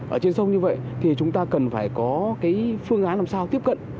ở trên sông như vậy thì chúng ta cần phải có cái phương án làm sao tiếp cận